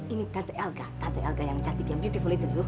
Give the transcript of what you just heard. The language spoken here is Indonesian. ini tante elga tante elga yang cantiknya beautiful itu lho